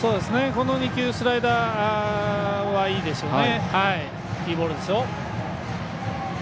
この２球スライダーはいいですよね。